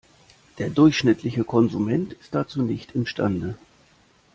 Der durchschnittliche Konsument ist dazu nicht imstande.